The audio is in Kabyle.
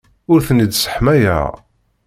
Ur ten-id-sseḥmayeɣ.